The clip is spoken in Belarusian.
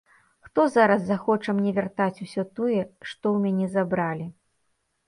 Хто зараз захоча мне вяртаць усё тое, што ў мяне забралі?